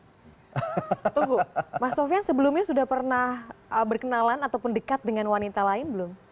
tunggu mas sofian sebelumnya sudah pernah berkenalan ataupun dekat dengan wanita lain belum